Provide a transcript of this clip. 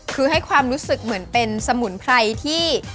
คือให้ความรู้สึกเหมือนเป็นสมุนไพรที่